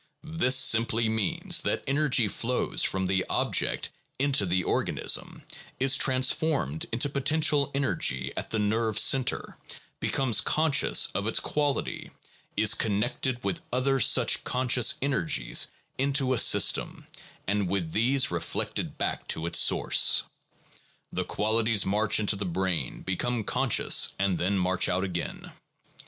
This simply means that energy flows from the object into the organism, is transformed into potential energy at the nerve center, becomes conscious of its quality, is connected with other such conscious energies into a system, and with these reflected back to its source. The qualities march into the brain, become conscious, and then march out again.